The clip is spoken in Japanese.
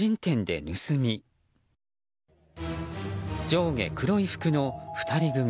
上下黒い服の２人組。